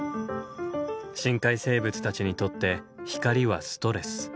深海生物たちにとって光はストレス。